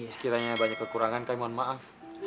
sekiranya banyak kekurangan kami mohon maaf